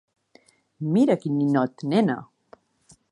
Mira quin ninot, nena!